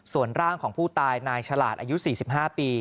ส่วนร่างของผู้ตายนายฉลาดอายุ๔๕ปี